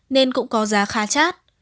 nên cũng có giá khá chát